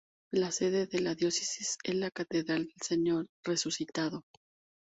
La sede de la Diócesis es la Catedral del Señor resucitado.